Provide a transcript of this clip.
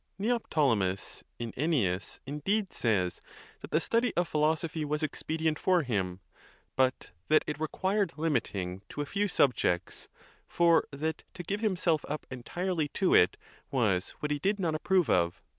I. Neorrotemvs, in Ennius, indeed, says that the study of philosophy was expedient for him; but that it re quired limiting to a few subjects, for that to give himself up entirely to it was what he did not approve of.